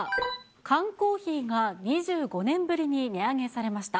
缶コーヒーが２５年ぶりに値上げされました。